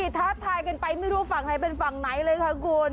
ท้าทายกันไปไม่รู้ฝั่งไหนเป็นฝั่งไหนเลยค่ะคุณ